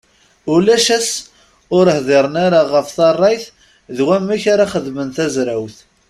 Ulac ass ur hdiren ara ɣef tarrayt d wamek ara yexdem tazrawt.